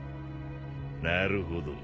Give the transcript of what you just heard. なるほど。